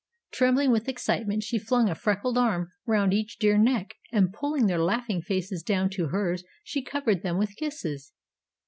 Trembling with excitement, she flung a freckled arm round each dear neck, and, pulling their laughing faces down to hers, she covered them with kisses.